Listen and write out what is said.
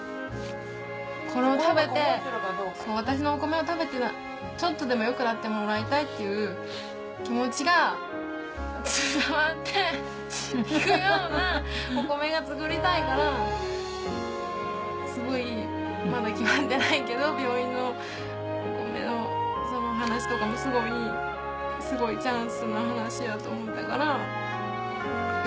これを食べて私のお米を食べてちょっとでも良くなってもらいたいっていう気持ちが伝わって行くようなお米が作りたいからすごいまだ決まってないけど病院のお米のその話とかもすごいチャンスな話やと思ったから。